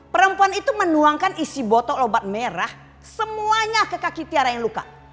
perempuan itu menuangkan isi botok obat merah semuanya ke kaki tiara yang luka